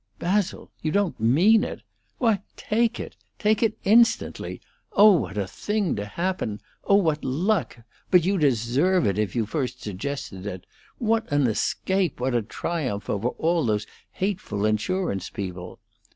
"Basil! You don't mean it! Why, take it! Take it instantly! Oh, what a thing to happen! Oh, what luck! But you deserve it, if you first suggested it. What an escape, what a triumph over all those hateful insurance people!